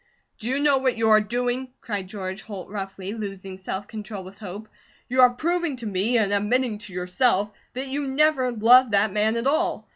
"Do you know what you are doing?" cried George Holt, roughly, losing self control with hope. "YOU ARE PROVING TO ME, AND ADMITTING TO YOURSELF, THAT YOU NEVER LOVED THAT MAN AT ALL.